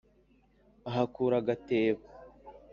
ahakura agatebo,